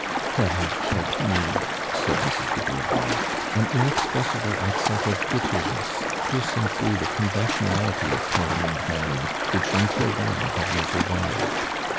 "(lod help me !" said Mrs.de Beauvoir, an inexpressible accen' )itterness pierc ing through tho con nality of tono and mannei', which. len, had never varied.